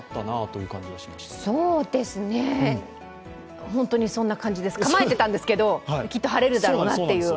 そうですね、本当にそんな感じです、構えていたんですけど、きっと晴れるだろうなと。